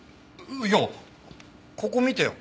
いやここ見てよ